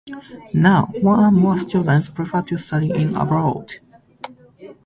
Now, more and more students prefer to study in abroad.